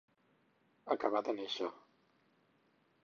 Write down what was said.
Acabar de néixer.